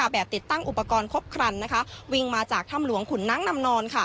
ติดตั้งอุปกรณ์ครบครันวิ่งมาจากถ้ำหลวงขุนน้ำนำนอน